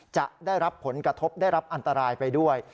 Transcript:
จะได้รับผลกระทบได้รับอันตรายไปด้วย